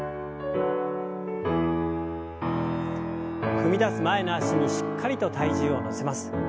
踏み出す前の脚にしっかりと体重を乗せます。